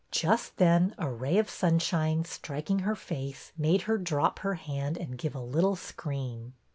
Just then a ray of sunshine, striking her face, made her drop her hand and give a little scream.